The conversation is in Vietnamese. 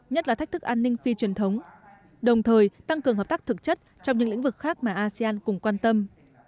nhất là thách thức an ninh phi truyền thống đồng thời tăng cường hợp tác thực chất trong những lĩnh vực khác mà asean cùng quan tâm